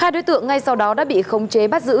hai đối tượng ngay sau đó đã bị khống chế bắt giữ